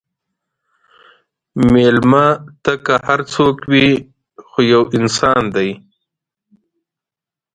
مېلمه ته که هر څوک وي، خو یو انسان دی.